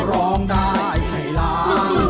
ร้องได้ให้ล้าน